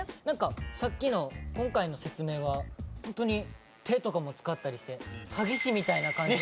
さっきの今回の説明はホントに手とかも使ったりして詐欺師みたいな感じの。